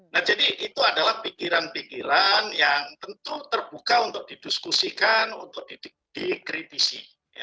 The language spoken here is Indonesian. nah jadi itu adalah pikiran pikiran yang tentu terbuka untuk didiskusikan untuk dikritisi